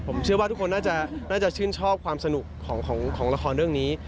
ผมเชื่อว่าทุกคนน่าจะชื่นชอบความสนุกของละครเรื่องนี้